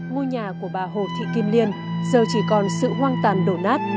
ngôi nhà của bà hồ thị kim liên giờ chỉ còn sự hoang tàn đổ nát